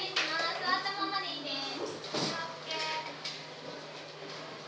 座ったままでいいです。